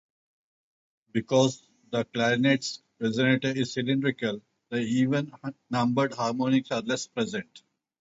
Because the clarinet's resonator is cylindrical, the even-numbered harmonics are less present.